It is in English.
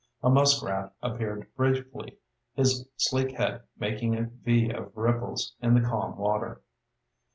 A muskrat appeared briefly, his sleek head making a V of ripples in the calm water.